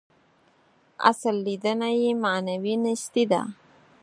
اصل لېدنه یې معنوي نیستي ده.